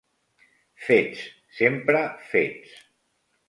Fets, sempre fets